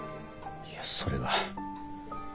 いやそれは。